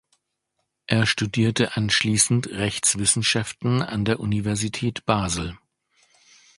Er studierte anschließend Rechtswissenschaften an der Universität Basel.